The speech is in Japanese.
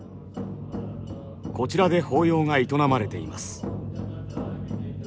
こちらで法要が営まれています。